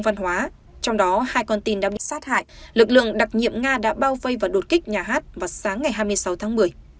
và sát hại lực lượng đặc nhiệm nga đã bao vây và đột kích nhà hát vào sáng ngày hai mươi sáu tháng một mươi